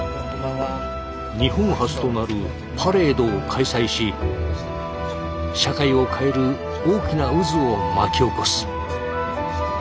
日本初となるパレードを開催し社会を変える大きな渦を巻き起こす。